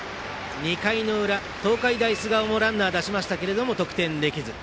２回の裏、東海大菅生もランナーを出しましたが得点できず。